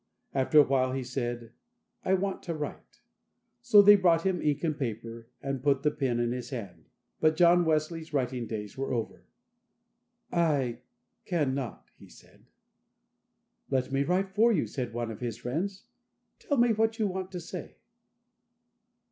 After awhile he said, "I want to write." So they brought him ink and paper, and put the pen in his hand; but John Wesley's writing days were over. "I cannot," he said. "Let me write for you," said one of his friends, "tell me what you want to say."